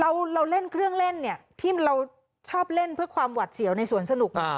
เราเล่นเครื่องเล่นเนี่ยที่เราชอบเล่นเพื่อความหวัดเสียวในสวนสนุก